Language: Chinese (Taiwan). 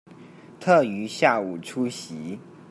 特於下午出席